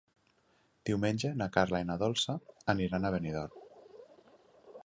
Diumenge na Carla i na Dolça aniran a Benidorm.